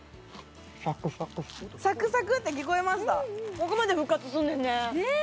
ここまで復活すんねんね！